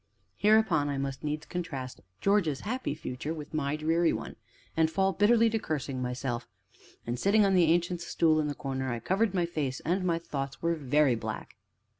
Hereupon I must needs contrast George's happy future with my dreary one, and fall bitterly to cursing myself; and, sitting on the Ancient's stool in the corner, I covered my face, and my thoughts were very black.